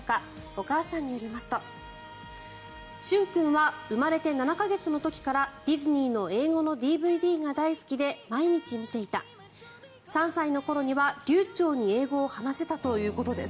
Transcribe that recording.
お母さんによりますと駿君は生まれて７か月の時からディズニーの英語のＤＶＤが大好きで毎日見ていた３歳の頃には、流ちょうに英語を話せたということです。